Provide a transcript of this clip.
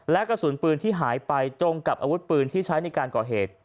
และกระสุนปืนที่หายไปตรงกับอาวุธปืนที่ใช้ในการก่อเหตุ